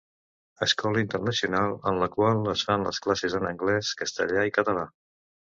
Escola internacional en la qual es fan les classes en anglès, castellà i català.